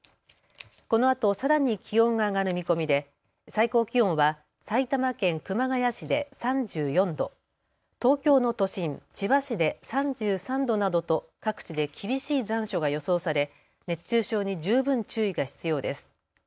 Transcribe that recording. このあとさらに気温が上がる見込みで最高気温は埼玉県熊谷市で３４度、東京の都心、千葉市で３３度などと各地で厳しい残暑が予想され熱中症に十分注意が必要です。